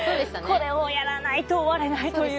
これをやらないと終われないという。